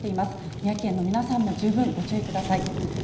三重県の皆さんも十分ご注意ください。